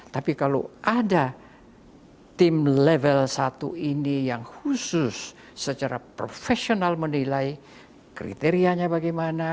tapi kalau ada tim level satu ini yang khusus secara profesional menilai kriterianya bagaimana